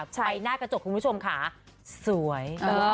ไปหน้ากระจกคุณผู้ชมค่ะสวย